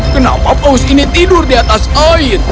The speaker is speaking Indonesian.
kenapa paus ini tidur di atas air